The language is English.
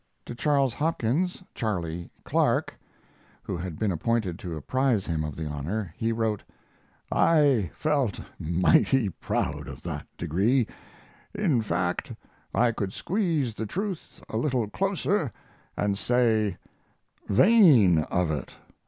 To Charles Hopkins ("Charley") Clark, who had been appointed to apprise him of the honor, he wrote: I felt mighty proud of that degree; in fact I could squeeze the truth a little closer and say vain of it.